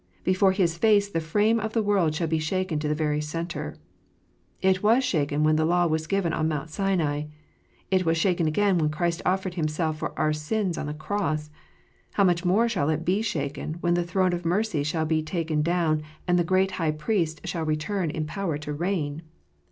Before His face the frame of this world shall be shaken to the very centre. It was shaken when the law was given on Mount Sinai. It was shaken again when Christ offered Himself for our sins on the cross. How much more shall it be shaken when the throne of mercy shall be taken down, and the great High Priest shall return in power to reign